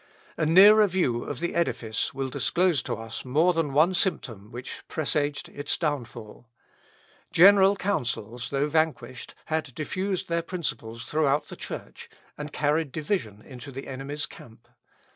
A nearer view of the edifice will disclose to us more than one symptom which presaged its downfall. General Councils, though vanquished, had diffused their principles throughout the Church, and carried division into the enemy's camp.